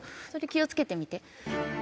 それを気をつけてみて。